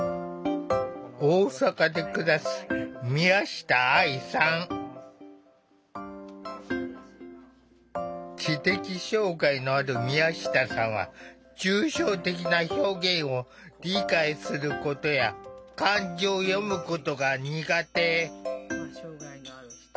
大阪で暮らす知的障害のある宮下さんは抽象的な表現を理解することや漢字を読むことが苦手。